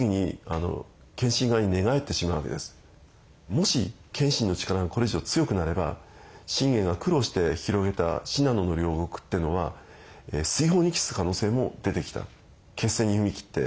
もし謙信の力がこれ以上強くなれば信玄が苦労して広げた信濃の領国ってのは水泡に帰す可能性も出てきた。